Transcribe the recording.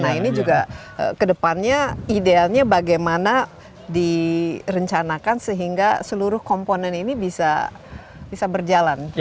nah ini juga kedepannya idealnya bagaimana direncanakan sehingga seluruh komponen ini bisa berjalan